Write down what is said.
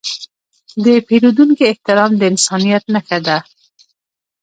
د پیرودونکي احترام د انسانیت نښه ده.